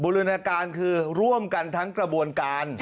รณาการคือร่วมกันทั้งกระบวนการ